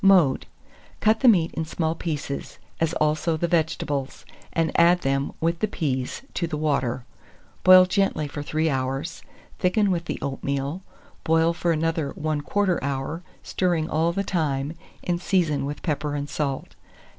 Mode. Cut the meat in small pieces, as also the vegetables, and add them, with the peas, to the water. Boil gently for 3 hours; thicken with the oatmeal, boil for another 1/4 hour, stirring all the time, and season with pepper and salt.